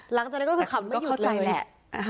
หลังจากนั้นคือคำไม่หยุดเลย